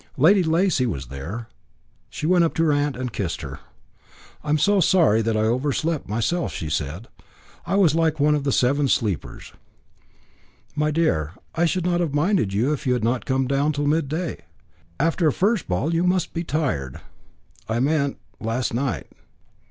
Lady Lacy was there. She went up to her aunt and kissed her. "I am so sorry that I overslept myself," she said. "I was like one of the Seven Sleepers." "My dear, I should not have minded if you had not come down till midday. After a first ball you must be tired." "I meant last night."